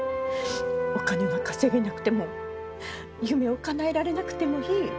お金が稼げなくても夢をかなえられなくてもいい。